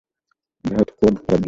Date কোরড করার জন্য।